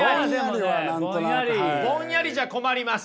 ぼんやりじゃ困ります。